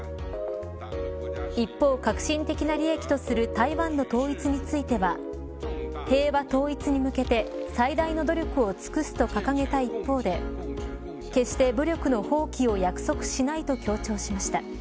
一方、核心的な利益とする台湾の統一については平和統一に向けて最大の努力を尽くすと掲げた一方で決して武力の放棄を約束しないと強調しました。